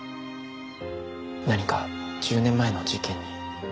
何か１０年前の事件に。